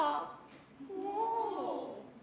おお。